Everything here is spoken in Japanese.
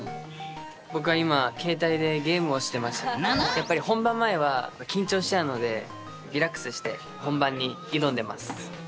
やっぱり本番前は緊張しちゃうのでリラックスして本番に挑んでます。